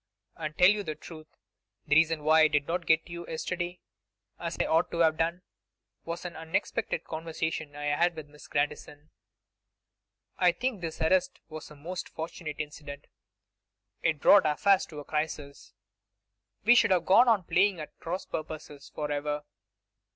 And to tell you the truth, the reason why I did not get to you yesterday, as I ought to have done, was an unexpected conversation I had with Miss Grandison. I really think this arrest was a most fortunate incident. It brought affairs to a crisis. We should have gone on playing at cross purposes for ever.